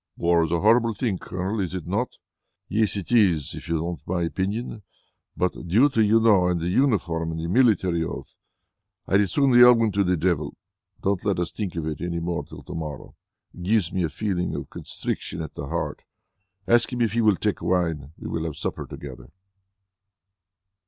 "War is a horrible thing, Colonel. Is it not?" "Yes, it is, if you want my opinion. But duty, you know, and the uniform and the military oath. I'd as soon they all went to the devil. Don't let us think of it any more till to morrow. It gives me a feeling of constriction at the heart. Ask him if he will take wine. We will have supper together."